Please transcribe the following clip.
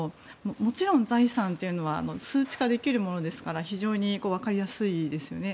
もちろん、財産というのは数値化できるものですから非常に分かりやすいですよね。